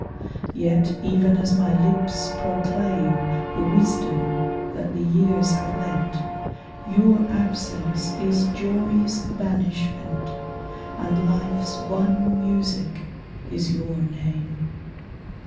Yet, even as my lips proclaim The wisdom that the years have lent, Your absence is joy's banishment, And life's one music is your name.